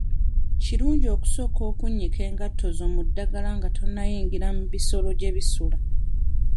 Kirungi okusooka okunnyika engatto zo mu ddaggala nga tonnayingira mu bisolo gye bisula.